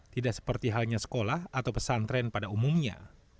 tidak seperti halnya sekolah atau pesantren pada umumnya